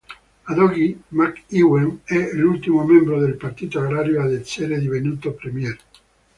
Ad oggi McEwen è l'ultimo membro del partito agrario ad essere divenuto premier.